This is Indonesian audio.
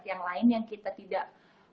yang lain yang kita tidak